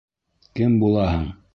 Кем булаһың?